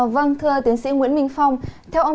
vâng thưa tiến sĩ nguyễn minh phong